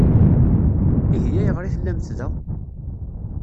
Ihi ayɣer i tellamt da?